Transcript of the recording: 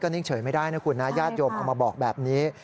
นิ่งเฉยไม่ได้นะคุณนะญาติโยมเอามาบอกแบบนี้